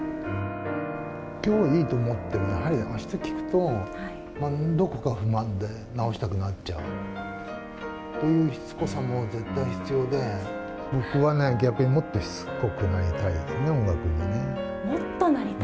きょういいと思っても、やはりあした聞くと、どこか不満で直したくなっちゃうというしつこさも絶対必要で、僕はね、逆にもっとしつこくなりたいですね、もっとなりたい？